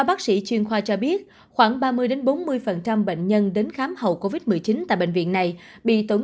bác sĩ chuyên khoa cho biết khoảng ba mươi bốn mươi bệnh nhân đến khám hậu covid một mươi chín tại bệnh viện này bị tổn